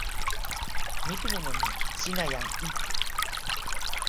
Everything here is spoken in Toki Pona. mi pilin e ni: sina jan ike.